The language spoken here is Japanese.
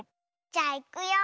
じゃあいくよ。